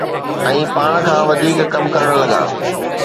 ۽ پاڻ کان وڌيڪ ڪم ڪرڻ لڳا.